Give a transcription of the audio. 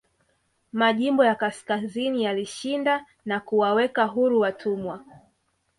Majimbo ya kaskazini yalishinda na kuwaweka huru watumwa